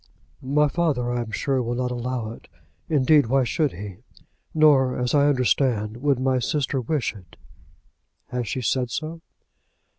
"My father, I am sure, will not allow it. Indeed, why should he? Nor, as I understand, would my sister wish it." "Has she said so?"